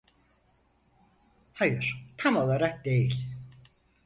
Hayır, tam olarak değil.